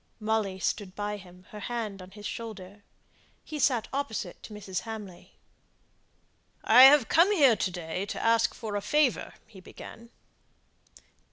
Molly stood by him, her hand on his shoulder. He sate opposite to Mrs. Hamley. "I've come here to day to ask a favour," he began.